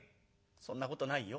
「そんなことないよ。